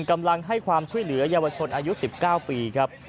กำลังให้ความช่วยเหลือเยาวชนอายุ๑๙ปีครับ